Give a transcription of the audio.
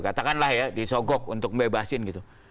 katakanlah ya disogok untuk bebasin gitu